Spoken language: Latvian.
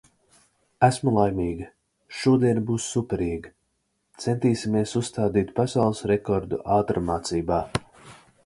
Esmu laimīga. Šodiena būs superīga! Centīsimies uzstādīt pasaules rekordu ātrmācībā.